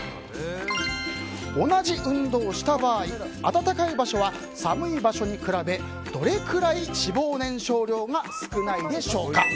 同じ運度をした場合暖かい場所は寒い場所に比べどれくらい脂肪燃焼量が少ないでしょうか。